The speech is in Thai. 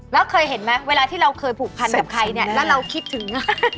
แล้วเคยเห็นไหมเวลาที่เราเคยผูกพันกับใครเนี่ยแล้วเราคิดถึง